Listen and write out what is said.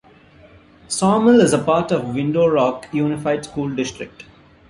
Sawmill is a part of Window Rock Unified School District.